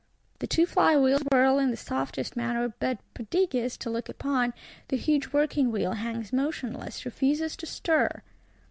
The two fly wheels whirl in the softest manner; but, prodigious to look upon, the huge working wheel hangs motionless, refuses to stir!